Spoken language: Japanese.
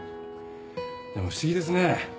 でも不思議ですね。